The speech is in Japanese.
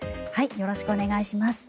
よろしくお願いします。